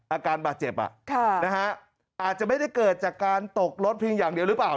อาการบาดเจ็บอาจจะไม่ได้เกิดจากการตกรถเพียงอย่างเดียวหรือเปล่า